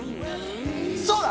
そうだ！